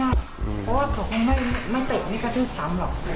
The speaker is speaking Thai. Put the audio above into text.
เพราะว่าเขาคงไม่เตะไม่กระทืบซ้ำหรอก